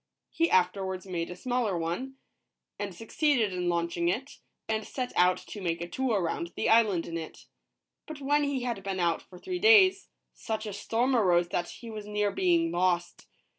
He afterwards made a smaller one, and succeeded in launching it, and set out to make a tour round the island in it. But when he had been out for three days, such a storm arose that he was near being lost.